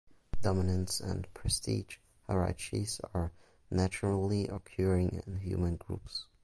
Dominance and prestige hierarchies are naturally occurring in human groups.